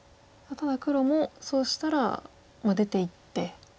ただ黒もそうしたら出ていって。